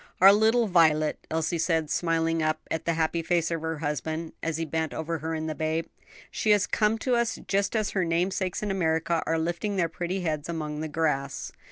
"Our little violet," Elsie said, smiling up at the happy face of her husband, as he bent over her and the babe. "She has come to us just as her namesakes in America are lifting their pretty heads among the grass."